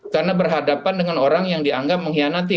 karena berhadapan dengan orang yang dianggap mengkhianati